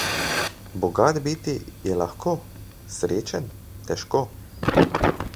Bogat biti je lahko, srečen - težko.